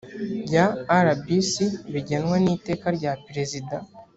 ya rbc bigenwa n iteka rya perezida